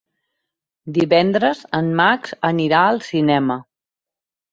Divendres en Max anirà al cinema.